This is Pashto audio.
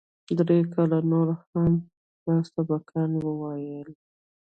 درې کاله نور مې هم سبقان وويل.